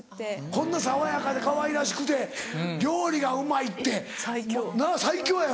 こんな爽やかでかわいらしくて料理がうまいって最強やよな。